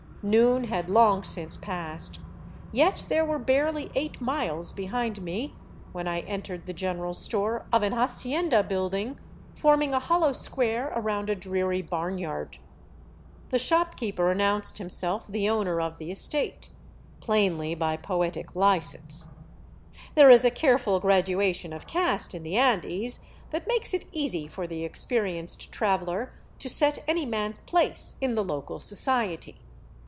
Noon had long since passed, yet there were barely eight miles behind me when I entered the general store of an hacienda build ing forming a hollow square ar©und a dreary barnyard. The shop keeper announced himself the owner of the estate — plainly by poetic license. There is a careful graduation of caste in the Andes that makes it easy for the experienced traveler to set any man's place in the local society.